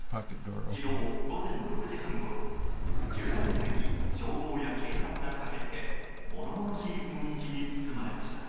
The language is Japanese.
昨日午前６時半ごろ住宅街に消防や警察が駆け付け物々しい雰囲気に包まれました。